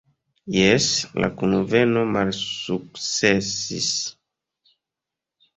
Jes, la kunveno malsuksesis.